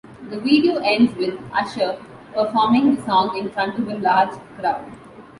The video ends with Usher performing the song in front of a large crowd.